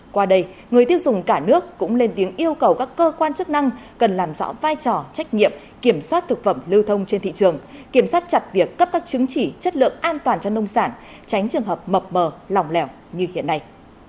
qua đây người tiêu dùng cả nước cũng lên tiếng yêu cầu các cơ quan chức năng cần làm rõ vai trò trách nhiệm kiểm soát thực phẩm lưu thông trên thị trường kiểm soát chặt việc cấp các chứng chỉ chất lượng an toàn cho nông sản tránh trường hợp mập mờ lòng lẻo như hiện nay